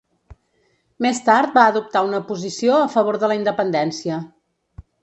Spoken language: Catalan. Més tard, va adoptar una posició a favor de la independència.